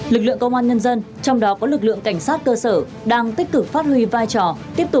lực lượng công an nhân dân trong đó có lực lượng cảnh sát cơ sở đang tích cực phát huy vai trò tiếp tục